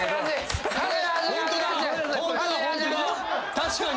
確かに！